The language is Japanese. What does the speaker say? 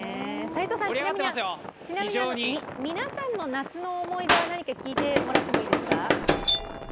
ちなみに、皆さんの夏の思い出は何か聞いてもらっていいですか？